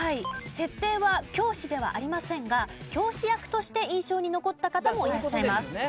設定は教師ではありませんが教師役として印象に残った方もいらっしゃいます。